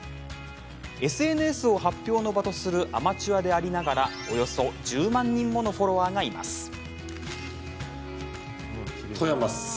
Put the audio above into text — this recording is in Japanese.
ＳＮＳを発表の場とするアマチュアでありながらおよそ１０万人ものフォロワーがいます。